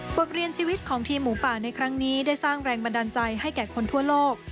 บทเรียนชีวิตของทีมหมูป่าในครั้งนี้ได้สร้างแรงบันดาลใจให้แก่คนทั่วโลก